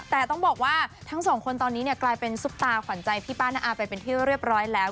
แต่ต้องบอกว่าทั้งสองคนตอนนี้เนี่ยกลายเป็นซุปตาขวัญใจพี่ป้าน้าอาไปเป็นที่เรียบร้อยแล้ว